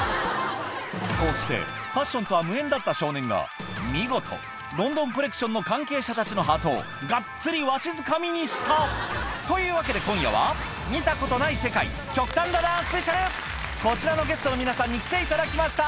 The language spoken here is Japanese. こうしてファッションとは無縁だった少年が見事ロンドンコレクションの関係者たちのハートをがっつりわしづかみにした！というわけで今夜はこちらのゲストの皆さんに来ていただきました